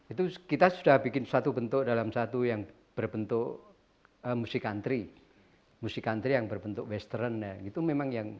itu kita sudah bikin suatu bentuk dalam satu yang berbentuk musik antri musik country yang berbentuk western